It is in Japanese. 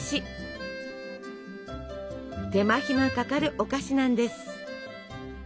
手間暇かかるお菓子なんです。